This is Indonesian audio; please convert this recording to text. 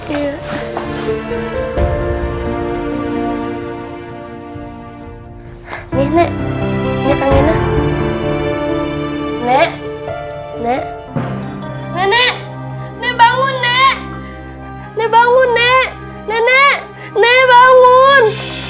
ini nih ini panggilan nek nek nenek nek bangun nek nek bangun nek nenek nek bangun